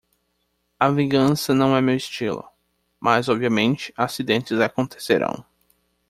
A vingança não é meu estilo?, mas obviamente acidentes acontecerão.